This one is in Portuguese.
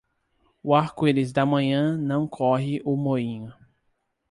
O arco-íris da manhã não corre o moinho.